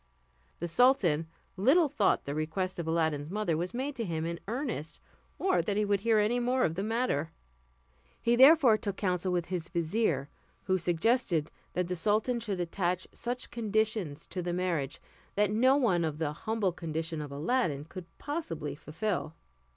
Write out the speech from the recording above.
The sultan little thought the request of Aladdin's mother was made to him in earnest, or that he would hear any more of the matter. He therefore took counsel with his vizier, who suggested that the sultan should attach such conditions to the marriage that no one of the humble condition of Aladdin could possibly fulfill.